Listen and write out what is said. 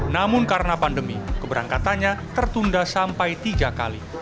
namun karena pandemi keberangkatannya tertunda sampai tiga kali